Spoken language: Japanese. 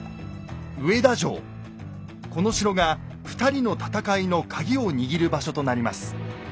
この城が２人の戦いのカギを握る場所となります。